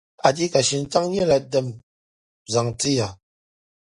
Achiika! Shintaŋ nyɛla dim’ zaŋ tin ya.